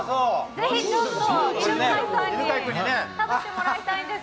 ぜひ犬飼さんに食べてもらいたいです。